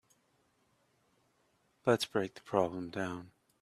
Let's break the problem down.